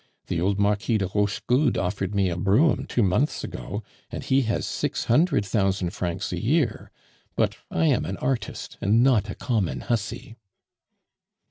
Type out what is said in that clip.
The old Marquis de Rochegude offered me a brougham two months ago, and he has six hundred thousand francs a year, but I am an artist and not a common hussy."